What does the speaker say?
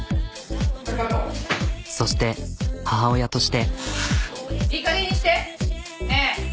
そして母親として。